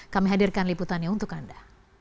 kami hadirkan liputannya untuk anda